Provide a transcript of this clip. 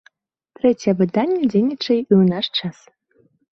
Трэцяе выданне дзейнічае і ў наш час.